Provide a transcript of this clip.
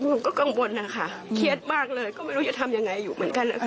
หนูก็กังวลนะคะเครียดมากเลยก็ไม่รู้จะทำยังไงอยู่เหมือนกันนะคะ